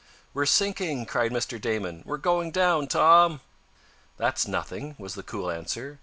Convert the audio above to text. "We're sinking!" cried Mr. Damon. "We're going down, Tom!" "That's nothing," was the cool answer.